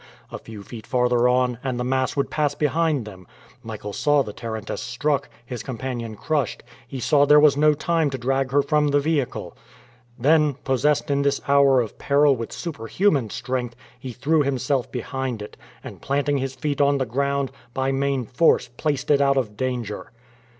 A few feet farther on, and the mass would pass behind them! Michael saw the tarantass struck, his companion crushed; he saw there was no time to drag her from the vehicle. Then, possessed in this hour of peril with superhuman strength, he threw himself behind it, and planting his feet on the ground, by main force placed it out of danger.